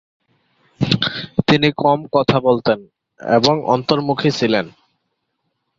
তিনি কম কথা বলতেন এবং অন্তর্মুখী ছিলেন।